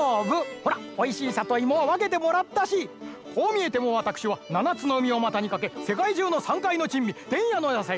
ほらおいしいさといもはわけてもらったしこうみえてもわたくしはななつのうみをまたにかけせかいじゅうのさんかいのちんみ